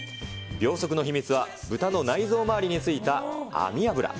秒速の秘密は、豚の内蔵周りについた網脂。